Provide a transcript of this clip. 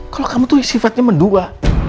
kalau kamu tuh sifatnya mendua